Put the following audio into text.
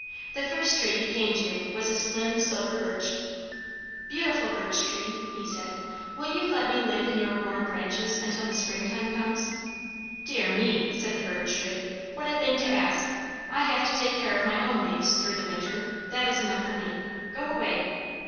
The first tree he came to was a slim silver birch. "Beautiful birch tree," he said, "will you let me live in your warm branches until the springtime comes?" "Dear me!" said the birch tree, "what a thing to ask! I have to take care of my own leaves through the winter; that is enough for me. Go away."